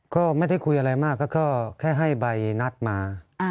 ก็ไม่ได้คุยอะไรมากก็แค่ให้ใบนัดมา